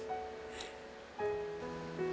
จ้อนเห็นเขาบอกว่าเราพูดน้อยมากเลยลูก